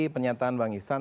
penyataan bang ihsan